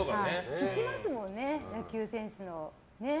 聞きますもんね、野球選手の。